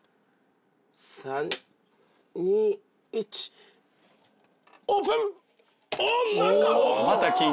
３２１オープン。